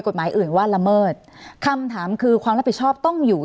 กฎหมายอื่นว่าละเมิดคำถามคือความรับผิดชอบต้องอยู่